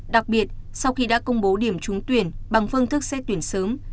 đặc biệt sau khi đã công bố điểm trúng tuyển bằng phương thức xét tuyển sớm